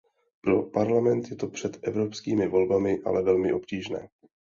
Pro Parlament je to před evropskými volbami ale velmi obtížné.